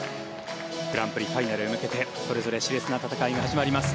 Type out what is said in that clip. グランプリファイナルへ向けてそれぞれ熾烈な戦いが始まります。